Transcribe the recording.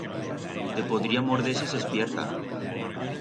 Te podría morder si s'espierta.